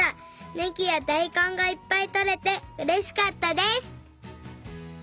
ねぎやだいこんがいっぱいとれてうれしかったです。